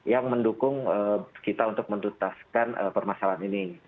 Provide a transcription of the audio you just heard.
yang mendukung kita untuk mendutaskan permasalahan ini